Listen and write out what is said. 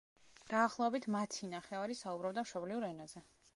დაახლოებით მათი ნახევარი საუბრობდა მშობლიურ ენაზე.